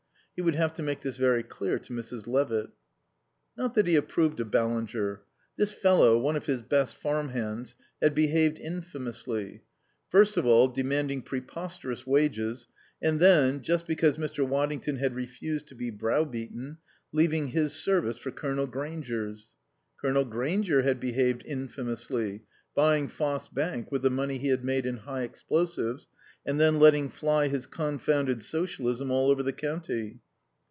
He would have to make this very clear to Mrs. Levitt. Not that he approved of Ballinger. The fellow, one of his best farm hands, had behaved infamously, first of all demanding preposterous wages, and then, just because Mr. Waddington had refused to be brow beaten, leaving his service for Colonel Grainger's. Colonel Grainger had behaved infamously, buying Foss Bank with the money he had made in high explosives, and then letting fly his confounded Socialism all over the county.